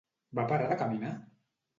Va parar de caminar?